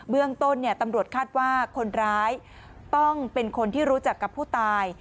เรื่องต้นตำรวจคาดว่าคนร้ายต้องเป็นคนที่รู้จักกับผู้ตาย